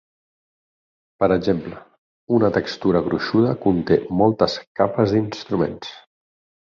Per exemple, una textura gruixuda conté moltes "capes" d'instruments.